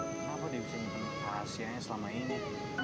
kenapa dia bisa menginfekasianya selama ini